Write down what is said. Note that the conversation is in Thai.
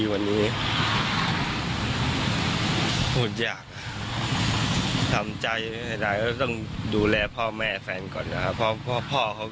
ว่าเขาจัดสนองของสนอง